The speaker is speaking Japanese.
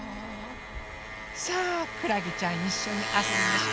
さあくらげちゃんいっしょにあそびましょ。